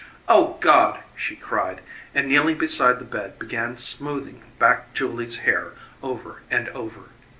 "Oh, God!" she cried, and kneeling beside the bed began smoothing back Julie's hair over and over.